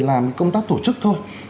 làm công tác tổ chức thôi